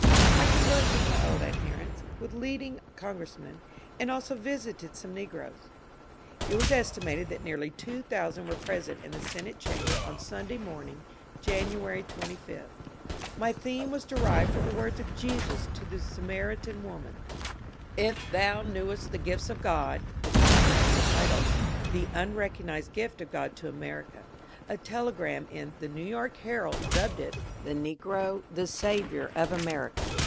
I conversed with my old adherents, with leading congressmen, and also visited some negroes. It was estimated that nearly two thousand were present in the senate chamber on Sunday morning, January 25. My theme was derived from the words of Jesus to the Samaritan woman, ^^ If thou knewest the gift of God," etc., and entitled *^ The Unrecognized Gift of God to America." A telegram in the " New York Herald " dubbed it " The Negro, the Saviour of America."